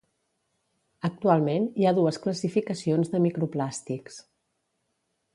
Actualment hi ha dues classificacions de microplàstics.